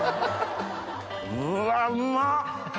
うわうまっ。